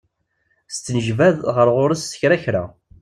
Tettnejbad ɣer ɣur-s s kra kra.